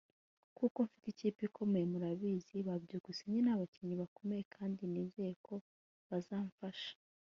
kuko mfite ikipe ikomeye murabizi ba Byukusenge n’abakinnyi bakomeye kandi nizeye ko bazamfasha